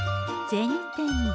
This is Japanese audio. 銭天堂。